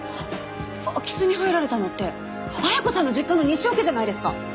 空き巣に入られたのって亜矢子さんの実家の西尾家じゃないですか！